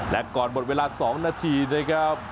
และก่อนหมดเวลา๒นาทีนะครับ